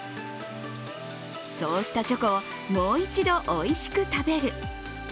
そうしたチョコをもう一度おいしく食べる。